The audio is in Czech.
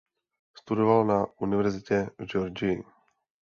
Studoval na univerzitě v Georgii.